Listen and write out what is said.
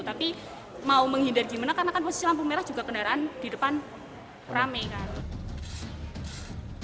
tapi mau menghindar gimana karena kan posisi lampu merah juga kendaraan di depan rame kan